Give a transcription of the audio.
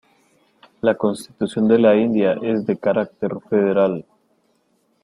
La Constitución de la India es de carácter federal.